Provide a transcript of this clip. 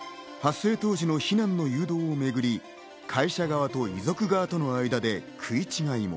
発生当時の避難の誘導をめぐり会社側と遺族側との間で食い違いも。